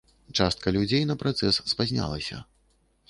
Частка людзей на працэс спазнялася.